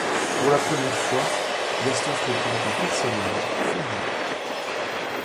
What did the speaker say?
Pour la première fois Gaston fréquente un personnage féminin.